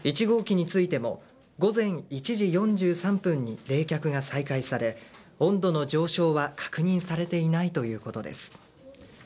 １号機についても午前１時４３分に冷却が再開され温度の上昇は確認されていないということです。